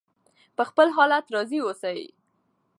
په خپل حالت راضي اوسئ.